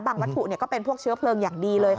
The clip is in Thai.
วัตถุก็เป็นพวกเชื้อเพลิงอย่างดีเลย